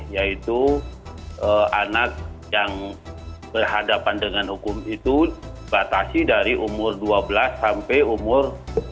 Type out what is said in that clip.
yaitu anak yang berhadapan dengan hukum itu batasi dari umur dua belas sampai umur